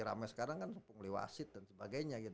ramai sekarang kan pungguli wasit dan sebagainya